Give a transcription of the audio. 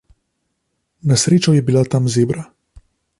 Na srečo je bila tam zebra.